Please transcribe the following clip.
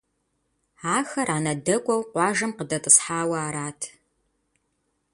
Ахэр анэдэкӏуэу къуажэм къыдэтӏысхьауэ арат.